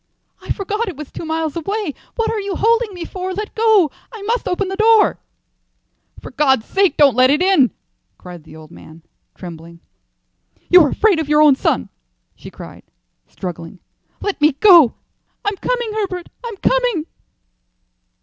"I forgot it was two miles away. What are you holding me for? Let go. I must open the door." "For God's sake don't let it in," cried the old man, trembling. "You're afraid of your own son," she cried, struggling. "Let me go. I'm coming, Herbert; I'm coming."